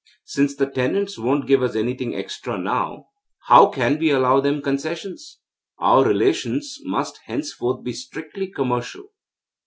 Since the tenants won't give us anything extra now, how can we allow them concessions? Our relations must henceforth be strictly commercial.